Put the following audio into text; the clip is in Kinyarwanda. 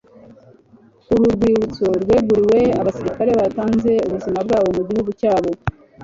Uru rwibutso rweguriwe abasirikare batanze ubuzima bwabo mu gihugu cyabo